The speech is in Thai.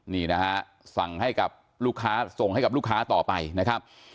นี่นะฮะสั่งให้กับลูกค้าส่งให้กับลูกค้าต่อไปนะครับ